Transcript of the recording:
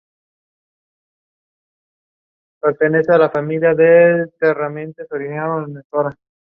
Además de varios cuentos en antologías y revistas literarias ha publicado cuatro novelas.